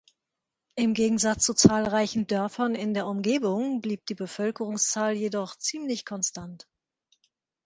Im Gegensatz zu zahlreichen Dörfern in der Umgebung blieb die Bevölkerungszahl jedoch ziemlich konstant.